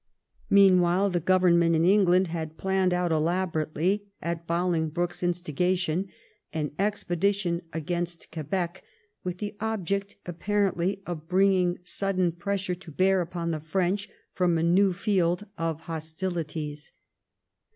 Meanwhile, the Government in England had planned out elaborately, at BoHngbroke's instiga tion, an expedition against Quebec, with the object, 1711 THE QUEBEC EXPEDITION. 47 apparently, of bringing sudden pressure to bear upon the French from a new field of hostilities.